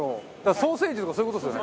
ソーセージとかそういう事ですよね。